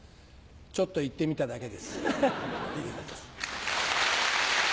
ちょっと言ってみただけです小遊三です。